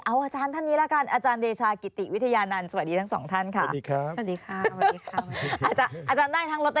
เอาอาจารย์ท่านนี้แล้วกันอาจารย์เดชากิติวิทยานันตร์